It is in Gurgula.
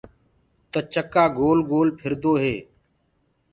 تو چڪو گول گول ڦِردو هي۔